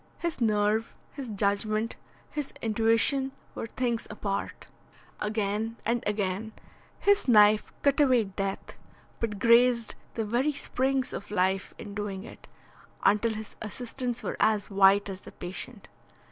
His nerve, his judgment, his intuition, were things apart. Again and again his knife cut away death, but grazed the very springs of life in doing it, until his assistants were as white as the patient.